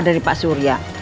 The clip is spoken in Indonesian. dari pak surya